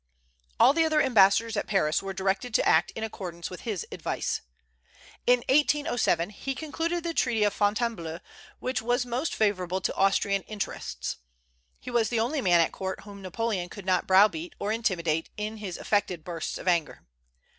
All the other ambassadors at Paris were directed to act in accordance with his advice. In 1807 he concluded the treaty of Fontainebleau, which was most favorable to Austrian interests. He was the only man at court whom Napoleon could not browbeat or intimidate in his affected bursts of anger.